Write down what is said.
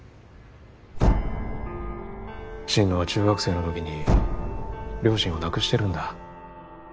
心野は中学生の時に両親を亡くしてるんだ。